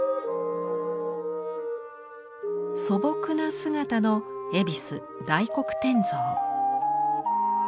素朴な姿の恵比寿・大黒天像。